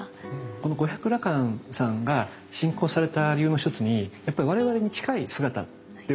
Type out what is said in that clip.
この五百羅漢さんが信仰された理由の一つにやっぱり我々に近い姿ということですよね。